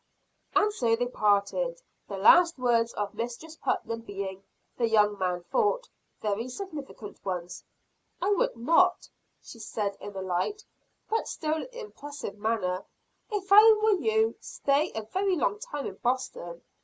And so they parted the last words of Mistress Putnam being, the young man thought, very significant ones. "I would not," she said in a light, but still impressive manner, "if I were you, stay a very long time in Boston.